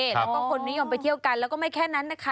แล้วก็คนนิยมไปเที่ยวกันแล้วก็ไม่แค่นั้นนะคะ